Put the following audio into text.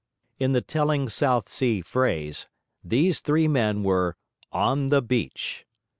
In the telling South Sea phrase, these three men were ON THE BEACH.